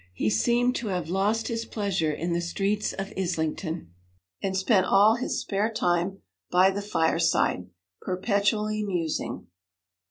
He seemed to have lost his pleasure in the streets of Islington, and spent all his spare time by the fireside, perpetually musing.